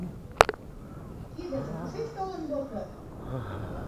Тидыже кушеч толын возо?